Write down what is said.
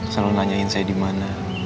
selalu nanyain saya dimana